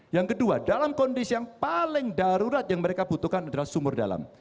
yang kedua dalam kondisi yang paling darurat yang mereka butuhkan adalah sumur dalam